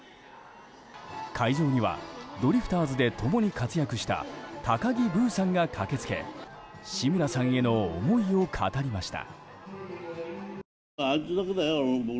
会場にはドリフターズで共に活躍した高木ブーさんが駆け付け志村さんへの思いを語りました。